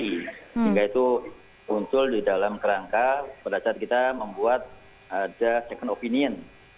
sehingga itu muncul di dalam kerangka pada saat kita membuat ada second opinion